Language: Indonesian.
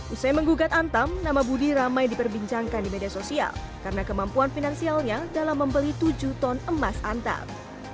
usai menggugat antam nama budi ramai diperbincangkan di media sosial karena kemampuan finansialnya dalam membeli tujuh ton emas antam